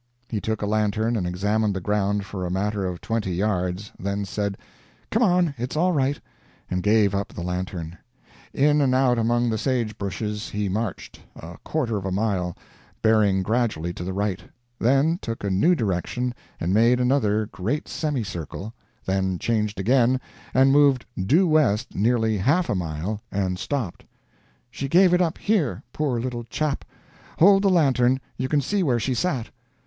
He took a lantern and examined the ground for a matter of twenty yards; then said, "Come on; it's all right," and gave up the lantern. In and out among the sage bushes he marched, a quarter of a mile, bearing gradually to the right; then took a new direction and made another great semicircle; then changed again and moved due west nearly half a mile and stopped. "She gave it up, here, poor little chap. Hold the lantern. You can see where she sat."